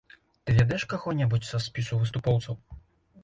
Ты ведаеш каго-небудзь са спісу выступоўцаў?